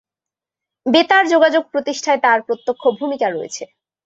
বেতার যোগাযোগ প্রতিষ্ঠায় তার প্রত্যক্ষ ভূমিকা রয়েছে।